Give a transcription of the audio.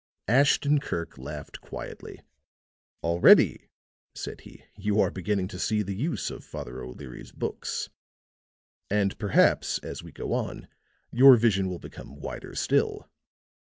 Ashton Kirk laughed quietly. "Already," said he, "you are beginning to see the use of Father O'Leary's books. And, perhaps, as we go on, your vision will become wider still."